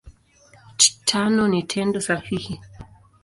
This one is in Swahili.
Tano ni Tendo sahihi.